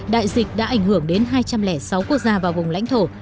đại dịch đã ảnh hưởng đến hai trăm linh sáu quốc gia và vùng lãnh thổ